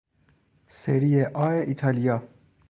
سری آ ایتالیا